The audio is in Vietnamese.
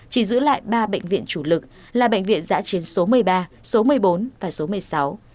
chỉ giữ lại ba bệnh viện chủ lực là bệnh viện giã chiến số một mươi ba số một mươi bốn và số một mươi sáu